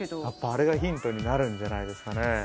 やっぱあれがヒントになるんじゃないですかね。